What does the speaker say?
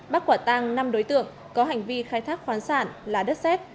bắt quả tăng năm đối tượng có hành vi khai thác khoáng sản là đất xét